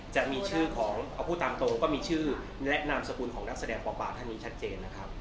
จะมีชื่อของเอาพูดตามตรงก็มีชื่อแนะนำสกุลของนักแสดงป่าท่านนี้ชัดเจนนะครับ